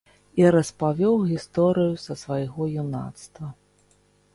І распавёў гісторыю са свайго юнацтва.